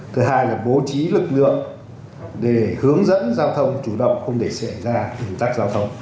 thứ hai là bố trí lực lượng để hướng dẫn giao thông chủ động không để xảy ra ủn tắc giao thông